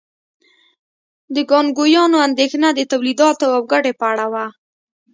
د کانګویانو اندېښنه د تولیداتو او ګټې په اړه وه.